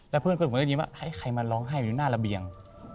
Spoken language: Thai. เพื่อนเพื่อนผมก็ยิ้มว่าให้ใครมาร้องไห้อยู่หน้าระเบียง